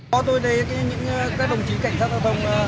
qua tôi thấy những các đồng chí cảnh sát giao thông